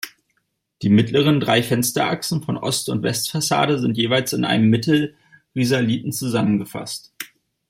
Die mittleren drei Fensterachsen von Ost- und Westfassade sind jeweils in einem Mittelrisaliten zusammengefasst.